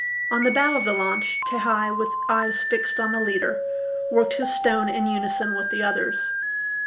On the bow of the launch, Tehei, with eyes fixed on the leader, worked his stone in unison with the others.